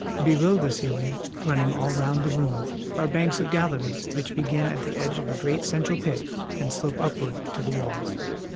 Below the ceiling, running all round the room, are banks of galleries which begin at the edge of a great central pit and slope upward to the walls.